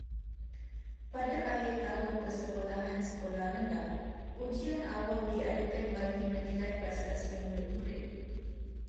Pada akhir tahun persekolahan sekolah rendah, ujian awam diadakan bagi menilai prestasi murid-murid.